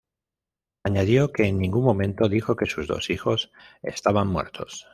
Añadió que en ningún momento dijo que sus dos hijos estaban muertos.